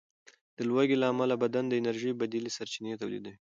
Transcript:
د لوږې له امله بدن د انرژۍ بدیلې سرچینې تولیدوي.